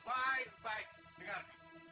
baik baik dengar